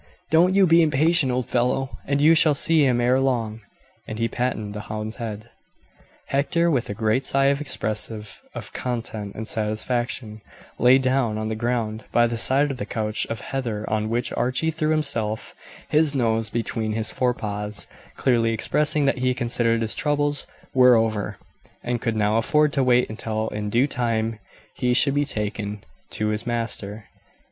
Don't you be impatient, old fellow, and you shall see him ere long;" and he patted the hound's head. Hector, with a great sigh expressive of content and satisfaction, lay down on the ground by the side of the couch of heather on which Archie threw himself his nose between his forepaws, clearly expressing that he considered his troubles were over, and could now afford to wait until in due time he should be taken to his master.